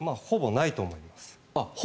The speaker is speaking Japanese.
ほぼないと思います。